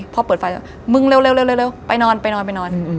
พอเปิดไฟมึงเร็วไปนอน